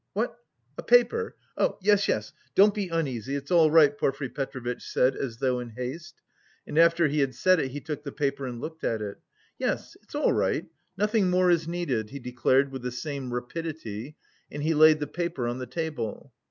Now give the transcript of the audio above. "What? A paper? Yes, yes, don't be uneasy, it's all right," Porfiry Petrovitch said as though in haste, and after he had said it he took the paper and looked at it. "Yes, it's all right. Nothing more is needed," he declared with the same rapidity and he laid the paper on the table.